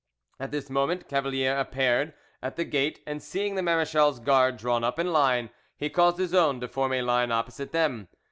At this moment Cavalier appeared at the gate, and seeing the marechal's guard drawn up in line, he caused his own to form a line opposite them.